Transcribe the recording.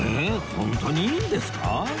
ホントにいいんですか？